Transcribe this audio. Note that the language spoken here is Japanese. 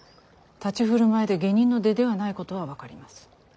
立ち振る舞いで下人の出ではないことは分かります。